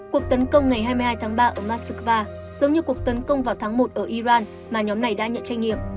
cuộc tấn công ngày hai mươi hai tháng ba ở moskva giống như cuộc tấn công vào tháng một ở iran mà nhóm này đã nhận tranh nghiệm